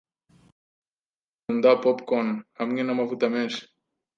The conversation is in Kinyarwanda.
Karoli akunda popcorn hamwe namavuta menshi.